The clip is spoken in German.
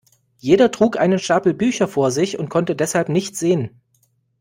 Jeder trug einen Stapel Bücher vor sich und konnte deshalb nichts sehen.